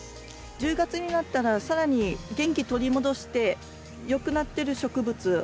１０月になったら更に元気取り戻してよくなってる植物